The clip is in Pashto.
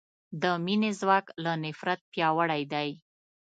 د مینې ځواک له نفرت پیاوړی دی.